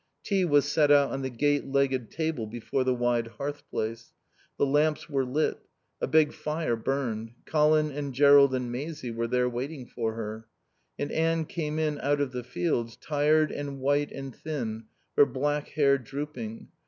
Tea was set out on the gate legged table before the wide hearth place. The lamps were lit. A big fire burned. Colin and Jerrold and Maisie were there waiting for her. And Anne came in out of the fields, tired and white and thin, her black hair drooping.